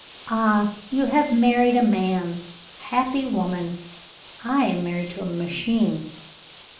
Ah, you have married a Man! Happy woman! I am married to a Machine.